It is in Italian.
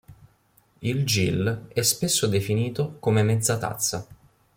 Il gill è spesso definito come "mezza tazza".